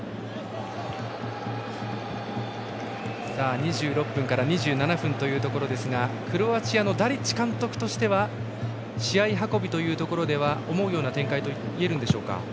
２６分から２７分というところですがクロアチアのダリッチ監督としては試合運びというところでは思うような展開といえるんでしょうか。